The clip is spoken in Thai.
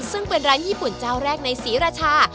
ซึ่งเป็นร้านญี่ปุ่นเจ้าแรกในศรีราชา